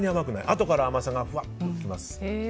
あとから甘さがふわっと来ます。